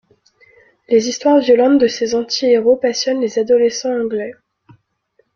Les histoires violentes de ces anti-héros passionnent les adolescents anglais.